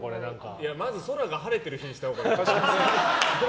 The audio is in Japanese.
まず空が晴れた日にしたほうがいい。